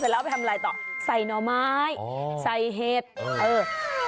แล้วไปทำอะไรต่อใส่หน่อไม้ใส่เห็ดเออ